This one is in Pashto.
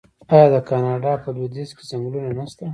آیا د کاناډا په لویدیځ کې ځنګلونه نشته؟